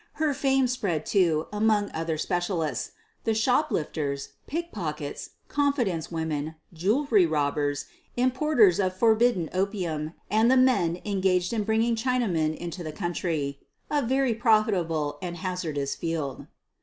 Her fame spread, too, among other specialists — the shoplift ers, pickpockets, confidence women, jewelry rob bers, importers of forbidden opium, and the men engaged in bringing Chinamen into the country (a very profitable and hazardous field).